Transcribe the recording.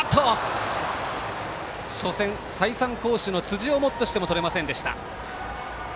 初戦、辻をもってしてもとれませんでした。